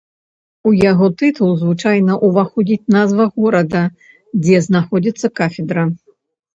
У яго тытул звычайна ўваходзіць назва горада, дзе знаходзіцца кафедра.